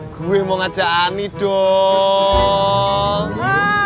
gue mau ngajak ani dong